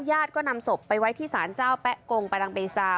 ญาติก็นำศพไปไว้ที่สารเจ้าแป๊ะกงประดังเบซา